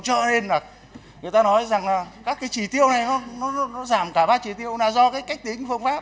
cho nên là người ta nói rằng là các cái chỉ tiêu này nó giảm cả ba chỉ tiêu là do cái cách tính phương pháp